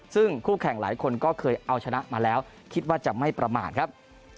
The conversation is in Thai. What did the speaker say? ซึ่งคู่แข่งหลายคนก็เคยเอาชนะมาแล้วคิดว่าจะไม่ประมาทครับ